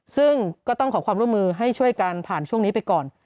ซึ่งก็ต้องขอความร่วมมือให้ช่วยกันผ่านช่วงนี้ไปก่อน